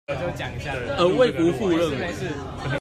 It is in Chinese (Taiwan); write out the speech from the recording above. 而衛福部認為